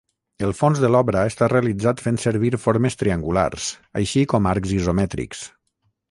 El fons de l'obra està realitzat fent servir formes triangulars, així com arcs isomètrics.